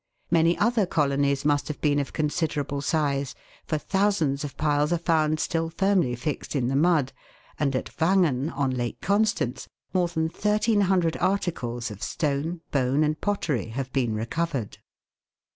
Many other colonies must have been of considerable size, for thousands of piles are found still firmly fixed in the mud, and at Wangen, on Lake Constance, more than 1,300 articles of stone, bone, and pottery have been recovered.